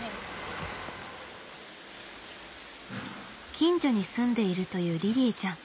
近所に住んでいるというりりぃちゃん。